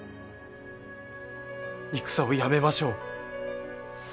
戦をやめましょう。